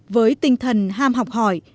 với tinh thần ham học hỏi